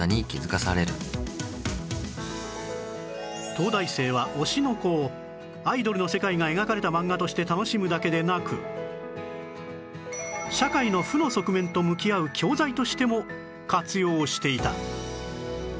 東大生は『推しの子』をアイドルの世界が描かれた漫画として楽しむだけでなく社会の負の側面と向き合う教材としても活用していた